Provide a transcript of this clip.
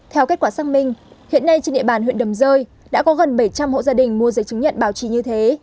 theo kết quả xác minh hiện nay trên địa bàn huyện đầm rơi đã có gần bảy trăm linh hộ gia đình mua giấy chứng nhận bảo trì như thế